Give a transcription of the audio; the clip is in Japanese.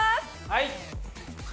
はい。